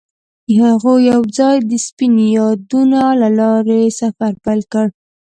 هغوی یوځای د سپین یادونه له لارې سفر پیل کړ.